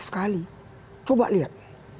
sekali coba lihat